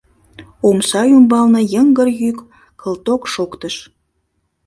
Омса ӱмбалне йыҥгыр йӱк кылток шоктыш.